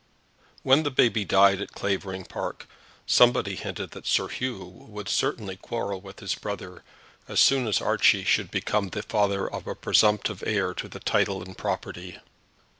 When the baby died at Clavering Park, somebody hinted that Sir Hugh would certainly quarrel with his brother as soon as Archie should become the father of a presumptive heir to the title and property.